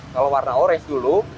kalau warna orange dulu